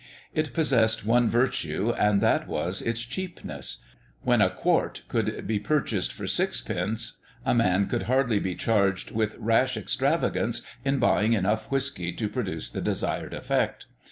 It possessed one virtue, and that was its cheapness. When a quart could be purchased for sixpence, a man could hardly be charged with rash extravagance in buying enough whiskey to produce the desired effect.